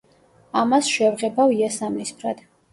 ამას შევღებავ იასამნისფრად.